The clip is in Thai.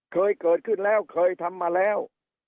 เคยเกิดขึ้นแล้วเคยทำมาแล้ว